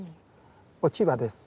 落ち葉です。